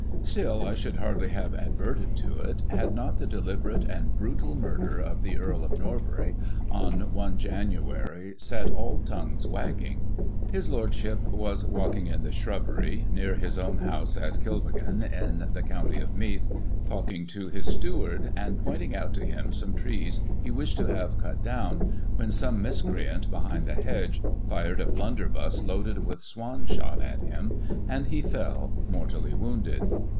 Still I should hardly have adverted to it, had not the deliberate and brutal murder of the Earl of Norbury, on i Jan., set all tongues wagging. His Lordship was walking in the shrubbery, near his own house at Kil beggan, in the county of Meath, talking to his steward, and pointing out to him some trees he wished to have cut down, when some miscreant, behind a hedge, fired a blunder buss loaded with swan shot at him, and he fell, mortally wounded.